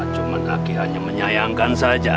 cuma kaki hanya menyayangkan saja